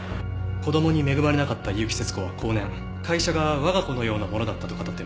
子供に恵まれなかった結城節子は後年会社が我が子のようなものだったと語っています。